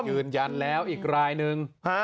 ยืนยันแล้วอีกรายนึง